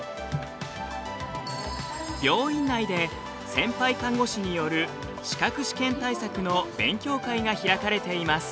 病院内で先輩看護師による資格試験対策の勉強会が開かれています。